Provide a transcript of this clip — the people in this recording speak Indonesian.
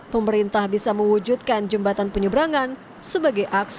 pemerintah bisa mewujudkan jembatan penyeberangan sebagai aksi